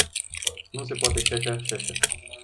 Nu se poate și așa, și așa.